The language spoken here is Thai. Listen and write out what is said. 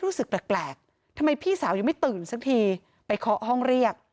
รู้สึกแปลกทำไมพี่สาวยังไม่ตื่นสักทีไปเคาะห้องเรียก